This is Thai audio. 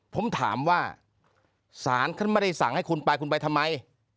ผมถามว่าศาลท่านไม่ได้สั่งให้คุณไปคุณไปทำไม